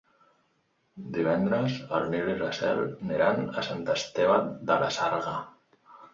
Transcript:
Divendres en Nil i na Cel iran a Sant Esteve de la Sarga.